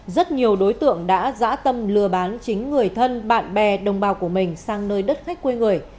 rất nhiều đối tượng đã dã tâm lừa bán chính người thân bạn bè đồng bào của mình sang nơi đất khách quê người